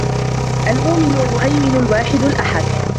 المومن، المهيمن، الواحد الأحد